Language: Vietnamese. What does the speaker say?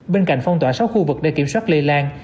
bên cạnh phong tỏa sáu khu vực để kiểm soát lây lan